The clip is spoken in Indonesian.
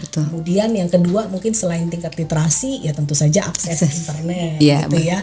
kemudian yang kedua mungkin selain tingkat literasi ya tentu saja akses internet gitu ya